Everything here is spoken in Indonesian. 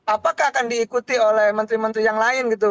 apakah akan diikuti oleh menteri menteri yang lain gitu